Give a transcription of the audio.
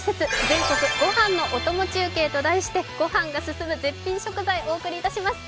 「全国ご飯のお供中継」と題して、ご飯が進む絶品食材をお届けします。